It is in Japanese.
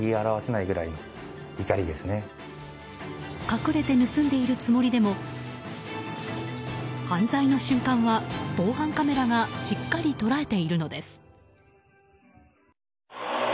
隠れて盗んでいるつもりでも犯罪の瞬間は防犯カメラがしっかり捉えているのです。